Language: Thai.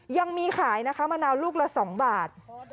ยังมีขายนะคะมะนาวลูกละ๒บาท